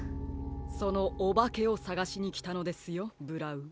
そのおばけをさがしにきたのですよブラウン。